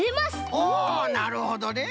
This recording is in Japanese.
おなるほどね！